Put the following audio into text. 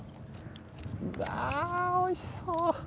うわあ、おいしそう。